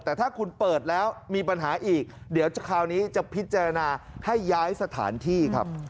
แต่ถ้าคุณเปิดแล้วมีปัญหาอีกเดี๋ยวคราวนี้จะพิจารณาให้ย้ายสถานที่ครับ